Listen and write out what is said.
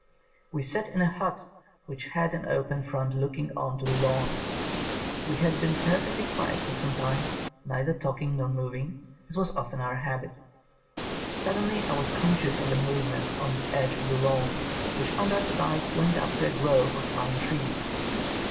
We sat in a hut which had an open front looking on to the lawn. We had been perfectly quiet for some time, neither talk ing nor moving, as was often our habit. Sud denly I was conscious of a movement on the edge of the lawn, which on that side went up to a grove of pine trees.